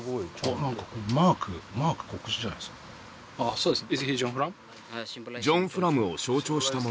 そうですね